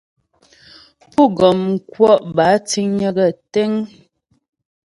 Pú́ gɔm mə́ kwɔ' bə́ áa tíŋnyə̌ gaə́ tə́ŋ.